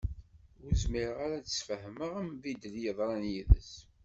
Ur zmireɣ ara ad d-sfehmeɣ ambiddel i yeḍran yid-s.